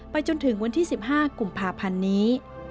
จนถึงวันที่๑๕กุมภาพันธ์นี้